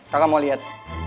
kakak mau lihat